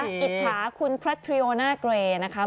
อิจฉาคุณพระทริโอน่าเกรนะคะ